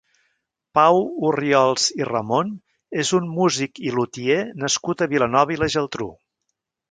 Pau Orriols i Ramon és un músic i lutier nascut a Vilanova i la Geltrú.